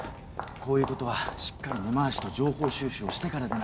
こういう事はしっかり根回しと情報収集をしてからでないと。